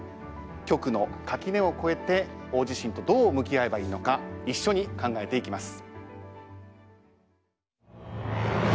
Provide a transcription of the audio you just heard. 局の垣根を越えて大地震とどう向き合えばいいのか一緒に考えていきます。